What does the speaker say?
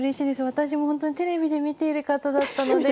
私もほんとにテレビで見ている方だったので。